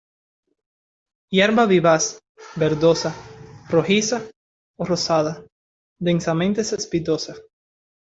Hierba vivaz, verdosa, rojiza o rosada, densamente cespitosa.